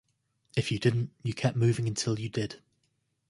If you didn't, you kept moving until you did.